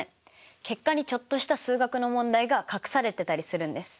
結果にちょっとした数学の問題が隠されてたりするんです。